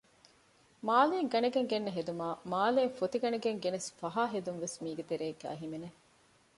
މާލެއިން ގަނެގެން ގެންނަ ހެދުމާއި މާލެއިން ފޮތި ގަނެގެން ގެނެސް ފަހާ ހެދުންވެސް މީގެ ތެރޭގައި ހިމެނެ